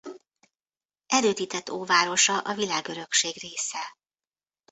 Erődített óvárosa a Világörökség része.